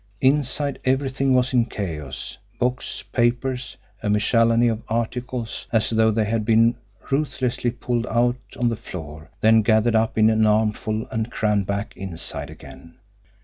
Inside, everything was in chaos, books, papers, a miscellany of articles, as though they had first been ruthlessly pulled out on the floor, then gathered up in an armful and crammed back inside again.